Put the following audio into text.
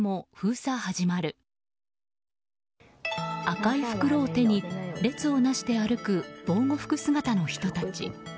赤い袋を手に、列をなして歩く防護服姿の人たち。